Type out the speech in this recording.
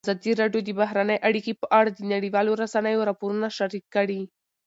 ازادي راډیو د بهرنۍ اړیکې په اړه د نړیوالو رسنیو راپورونه شریک کړي.